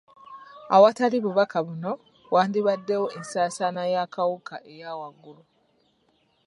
Awatali bubaka buno, wandibaddewo ensaasaana y'akawuka eya waggulu.